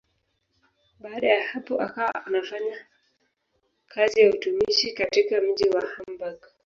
Baada ya hapo akawa anafanya kazi ya utumishi katika mji wa Hamburg.